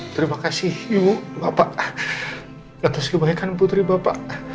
terima kasih ibu bapak atas kebaikan putri bapak